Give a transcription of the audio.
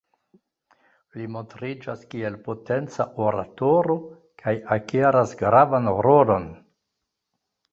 Li montriĝas kiel potenca oratoro, kaj akiras gravan rolon.